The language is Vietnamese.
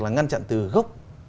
là ngăn chặn từ gốc